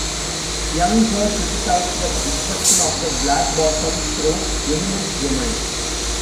Young had criticized the destruction of the Black Bottom through eminent domain.